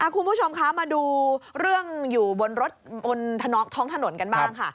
คุณผู้ชมคะมาดูเรื่องอยู่บนรถบนท้องถนนกันบ้างค่ะ